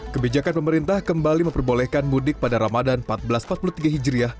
kebijakan pemerintah kembali memperbolehkan mudik pada ramadan seribu empat ratus empat puluh tiga hijriah